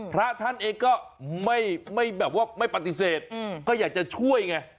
พระท่านเองก็ไม่ปฏิเสธก็อยากจะช่วยไง